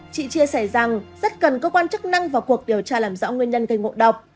chị chia sẻ rằng rất cần cơ quan chức năng vào cuộc điều tra làm rõ nguyên nhân gây ngộ độc